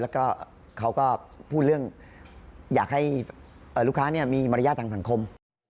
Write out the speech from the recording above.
แล้วก็เขาก็พูดเรื่องอยากให้ลูกค้ามีมารยาททางสังคม